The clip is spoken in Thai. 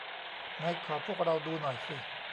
ไหนขอพวกเราดูหน่อยสิ